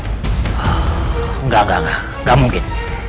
enggak enggak enggak gak mungkin